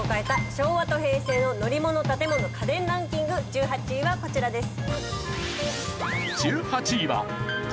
昭和と平成の乗り物・建物・家電ランキング１８位はこちらです。